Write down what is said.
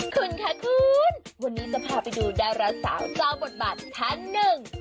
คุณค่ะคุณวันนี้จะพาไปดูดาราสาวเจ้าบทบาทท่านหนึ่ง